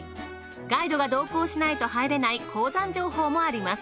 ガイドが同行しないと入れない鉱山情報もあります。